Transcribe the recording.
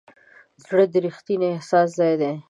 زړه د ریښتیني احساس ځای دی.